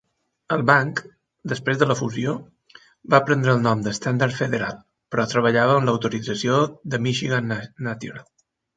El banc, després de la fusió, va prendre el nom de Standard Federal, però treballava amb l'autorització de Michigan National.